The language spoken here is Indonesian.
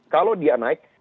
kalau dia naik